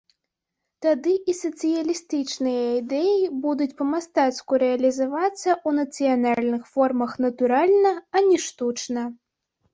Тады і сацыялістычныя ідэі будуць па-мастацку рэалізавацца ў нацыянальных формах натуральна, а не штучна.